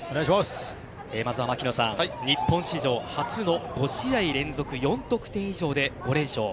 まず槙野さん、日本史上初の５試合連続４得点以上で５連勝。